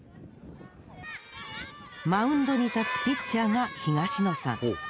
マウンドに立つピッチャーが東野さん。